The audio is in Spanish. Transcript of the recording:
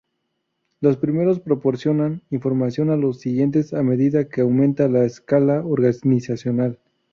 Los primeros proporcionan información a los siguientes a medida que aumenta la escala organizacional.